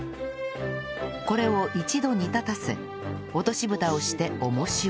これを一度煮立たせ落とし蓋をして重しを